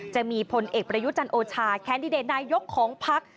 จะมีพลเอกประยุจันโอชาแคนดิเดตนายกของพัก